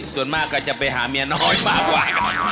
ส่วนมากก็จะไปหาเมียน้อยมากกว่า